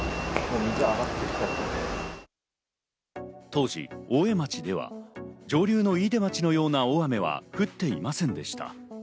当時、大江町では上流の飯豊町のような大雨は降っていませんでした。